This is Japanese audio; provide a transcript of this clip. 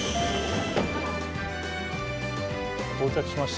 到着しました。